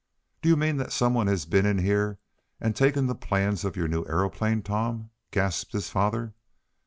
"Do you mean that some one has been in here and taken the plans of your new aeroplane, Tom?" gasped his father.